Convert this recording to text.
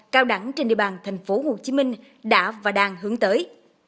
cao đẳng trên địa bàn tp hcm đã và đang hướng tới